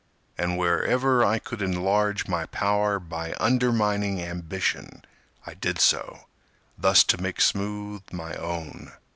And wherever I could enlarge my power By undermining ambition, I did so, Thus to make smooth my own.